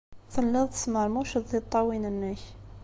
Telliḍ tesmermuceḍ tiṭṭawin-nnek.